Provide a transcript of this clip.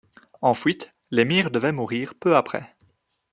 En fuite, l'émir devait mourir peu après.